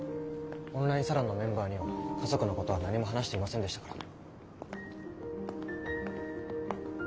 オンラインサロンのメンバーには家族のことは何も話していませんでしたから。